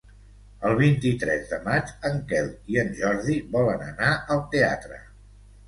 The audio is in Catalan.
El vint-i-tres de maig en Quel i en Jordi volen anar al teatre.